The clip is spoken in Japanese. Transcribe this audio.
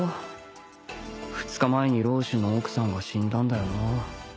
２日前に楼主の奥さんが死んだんだよな